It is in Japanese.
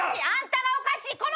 あんたがおかしい。